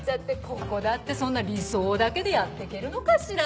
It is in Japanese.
ここだってそんな理想だけでやっていけるのかしら？